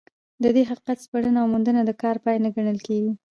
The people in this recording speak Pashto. د دې حقیقت سپړنه او موندنه د کار پای نه ګڼل کېږي.